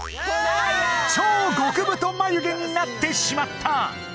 超極太眉毛になってしまった！